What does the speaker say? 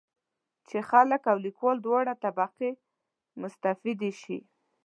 چې خلک او لیکوال دواړه طبقې مستفیدې شي.